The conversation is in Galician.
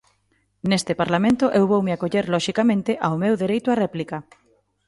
Neste parlamento eu voume acoller loxicamente ao meu dereito á réplica.